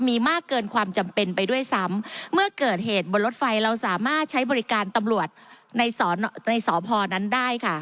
มีมากเกินความจำเป็นไปด้วยซ้ำเมื่อเกิดเหตุบนรถไฟเราสามารถใช้บริการตำรวจในสพนั้นได้ค่ะ